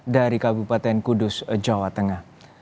dari kabupaten kudus jawa tengah